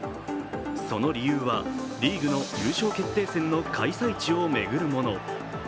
その理由は、リーグの優勝決定戦の開催地を巡るもの。